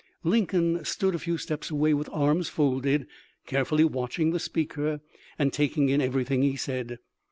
Lincoln stood a few steps away with arms folded, carefully watching the speaker and taking in everything he said.